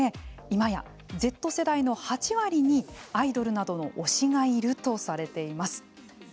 今やＺ世代の８割にアイドルなどの推しがいるとされています。